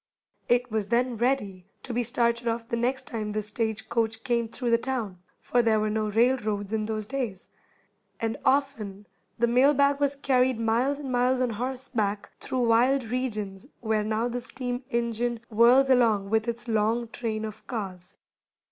It was then ready to be started off the next time the stage coach came through the town, for there were no railroads in those days, and often the mail bag was carried miles and miles on horseback through wild regions where now the steam engine whirls along with its long train of cars.